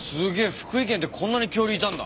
福井県ってこんなに恐竜いたんだ。